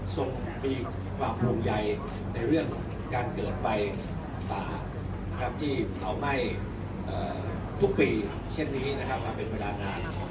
ที่มีความโครงใหญ่ในเรื่องการเกิดไฟป่าที่เขาไหม้ทุกปีเช่นนี้มาเป็นเวลานาน